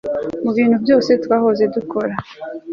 mubintu byose twahoze dukora